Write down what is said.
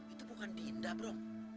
itu bukan dinda bro